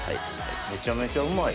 めちゃめちゃうまい。